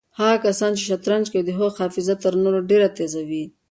هغه کسان چې شطرنج کوي د هغوی حافظه تر نورو ډېره تېزه وي.